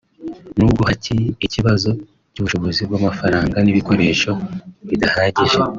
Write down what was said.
nubwo hakiri ikibazo cy’ubushobozi bw’amafaranga n’ibikoresho bidahagije